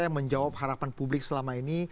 yang menjawab harapan publik selama ini